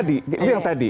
itu yang tadi